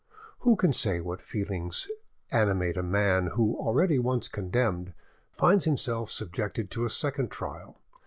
Who can say what feelings animate a man who, already once condemned, finds himself subjected to a second trial?